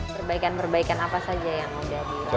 perbaikan perbaikan apa saja yang mudah di